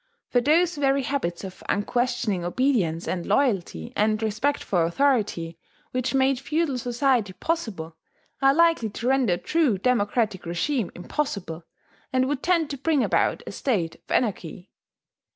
For those very habits of unquestioning obedience, and loyalty, and respect for authority, which made feudal society possible, are likely to render a true democratic regime impossible, and would tend to bring about a state of anarchy.